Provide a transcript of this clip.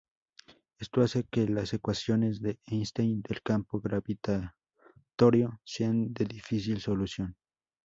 Esto hace que las ecuaciones de Einstein del campo gravitatorio sean de difícil solución.